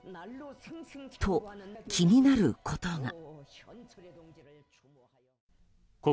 と、気になることが。